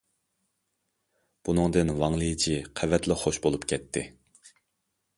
بۇنىڭدىن ۋاڭ لىجى قەۋەتلا خۇش بولۇپ كەتتى.